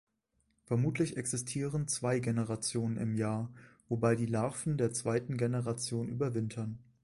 Vermutlich existieren zwei Generationen im Jahr, wobei die Larven der zweiten Generation überwintern.